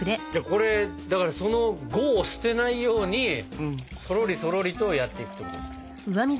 これその「呉」を捨てないようにそろりそろりとやっていくということですね。